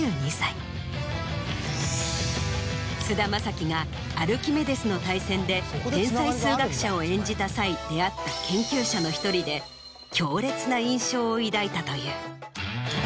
菅田将暉が『アルキメデスの大戦』で天才数学者を演じた際出会った研究者の１人で強烈な印象を抱いたという。